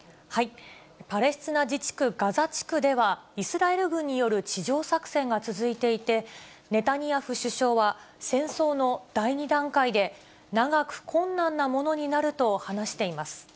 パレスチナ自治区ガザ地区では、イスラエル軍による地上作戦が続いていて、ネタニヤフ首相は戦争の第２段階で、長く困難なものになると話しています。